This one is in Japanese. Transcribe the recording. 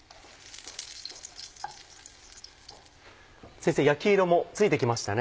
先生焼き色もついてきましたね。